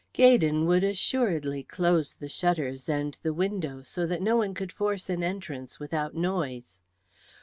Gaydon would assuredly close the shutters and the window, so that no one could force an entrance without noise.